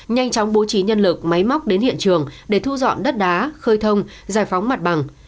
nhanh chóng bố trí nhân lực máy móc đến hiện trường để thu dọn đất đá khơi thông giải phóng mặt bằng